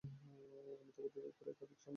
আমি তোমাদের উপর এক সামগ্রিক আযাব আসার আশংকা করছি।